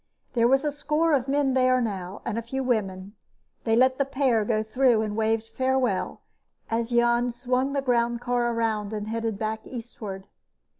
There was a score of men there now, and a few women. They let the pair go through, and waved farewell as Jan swung the groundcar around and headed back eastward.